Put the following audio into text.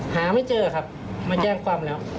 หาไม่เจอครับมาแจ้งความแล้ว